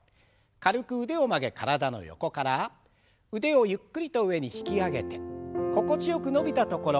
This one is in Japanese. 軽く腕を曲げ体の横から腕をゆっくりと上に引き上げて心地よく伸びたところ。